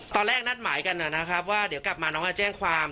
ตอนแรกนัดหมายกันนะครับว่าเดี๋ยวกลับมาน้องจะแจ้งความ